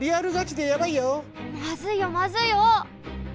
まずいよまずいよ！